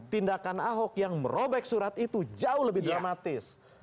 tindakan ahok yang merobek surat itu jauh lebih dramatis